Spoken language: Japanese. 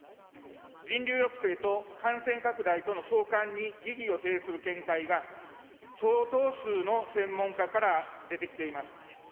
人流抑制と感染拡大との相関に疑義を呈する見解が相当数の専門家から出てきています。